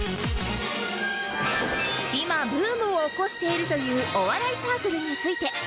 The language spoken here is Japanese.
今ブームを起こしているというお笑いサークルについて